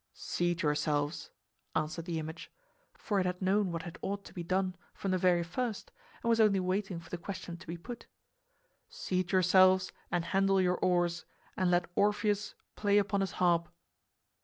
"Seat yourselves," answered the image (for it had known what had ought to be done from the very first and was only waiting for the question to be put), "seat yourselves and handle your oars, and let Orpheus play upon his harp."